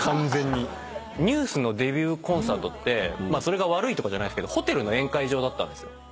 ＮＥＷＳのデビューコンサートってそれが悪いとかじゃないですけどホテルの宴会場だったんですよ。